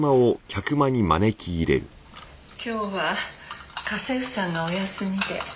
今日は家政婦さんがお休みで。